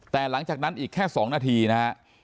แต่หลังจากนั้นอีกแค่๒นาทีนะฮะ